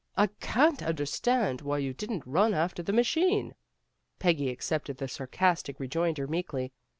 "I can't understand why you didn't run after the machine." Peggy accepted the sarcastic rejoinder meekly.